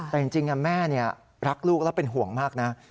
แต่จริงแม่รักลูกแล้วเป็นห่วงมากนะ